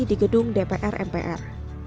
di gedung dpr mpr